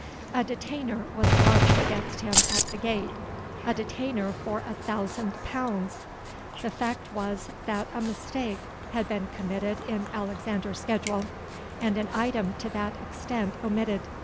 A detainer was lodged against him at the gate—a detainer for a thousand pounds! The fact was that a mistake had been committed in Alexander's schedule, and an item to that extent omitted.